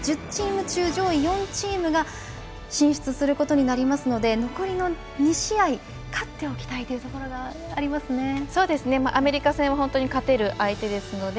１０チーム中上位４チームが進出することになりますので残りの２試合、勝っておきたいというところがありますね。